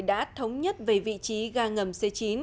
đã thống nhất về vị trí ga ngầm c chín